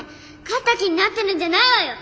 勝った気になってるんじゃないわよ！